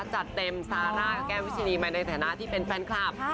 จัดเต็มซาร่ากับแก้ววิชินีมาในฐานะที่เป็นแฟนคลับ